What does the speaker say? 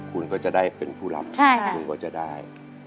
คุณก็จะได้เป็นผู้รับคุณก็จะได้